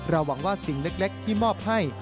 หวังว่าสิ่งเล็กที่มอบให้